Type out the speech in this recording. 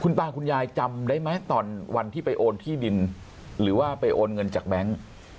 ตาคุณยายจำได้ไหมตอนวันที่ไปโอนที่ดินหรือว่าไปโอนเงินจากแบงค์